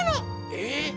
え？